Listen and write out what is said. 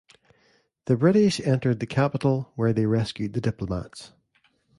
The British entered the capital, where they rescued the diplomats.